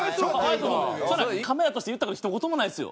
そんなんカメラ通して言った事ひと言もないですよ？